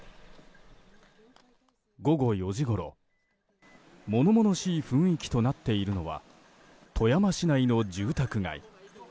午後４時ごろ物々しい雰囲気となっているのは富山市内の住宅街。